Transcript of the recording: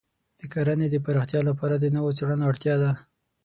د کرنې د پراختیا لپاره د نوو څېړنو اړتیا ده.